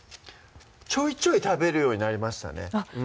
ちょいちょい食べるようになりましたね